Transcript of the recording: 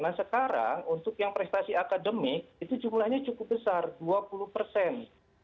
nah sekarang untuk yang prestasi akademik itu jumlahnya cukup besar dua puluh persen